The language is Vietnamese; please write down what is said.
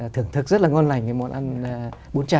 thưởng thức rất là ngon lành cái món ăn bún chả